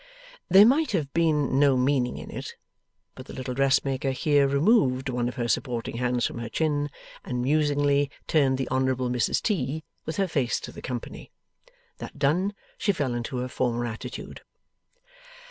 There might have been no meaning in it, but the little dressmaker here removed one of her supporting hands from her chin, and musingly turned the Honourable Mrs T. with her face to the company. That done, she fell into her former attitude.